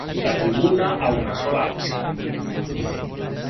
La tribuna ha una sola abside.